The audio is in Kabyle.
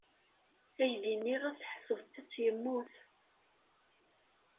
Aydi-nni ɣas ḥeṣbet-t yemmut.